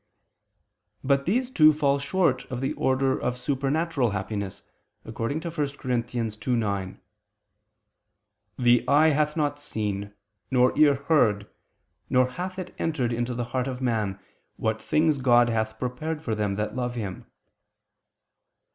But these two fall short of the order of supernatural happiness, according to 1 Cor. 2:9: "The eye hath not seen, nor ear heard, neither hath it entered into the heart of man, what things God hath prepared for them that love Him."